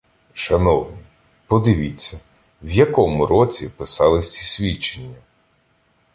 Шановні, подивіться в якому році писались ці свідчення?